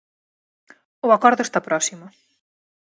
O acordo está próximo.